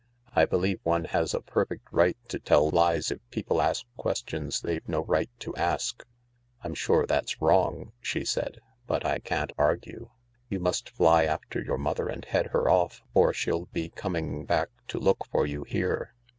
I believe one has a perfect right to tell lies if people ask questions they have no right to ask." " I'm sure that's wrong," she said, " but I can't argue. You must fly after your mother and head her off, or she'll be coming back to look for you here.